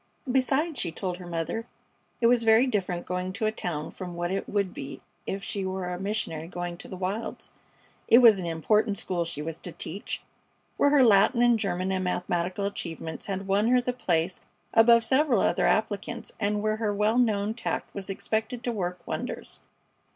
Besides, she told her mother it was very different going to a town from what it would be if she were a missionary going to the wilds. It was an important school she was to teach, where her Latin and German and mathematical achievements had won her the place above several other applicants, and where her well known tact was expected to work wonders.